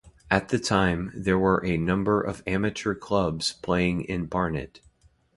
At the time, there were a number of amateur clubs playing in Barnet.